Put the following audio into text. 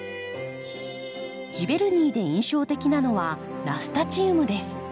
ジヴェルニーで印象的なのはナスタチウムです。